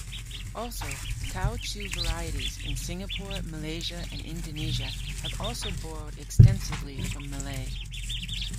Also, Teochew varieties in Singapore, Malaysia and Indonesia have also borrowed extensively from Malay.